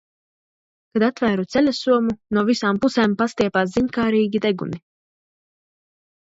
Kad atvēru ceļasomu, no visām pusēm pastiepās ziņkārīgi deguni.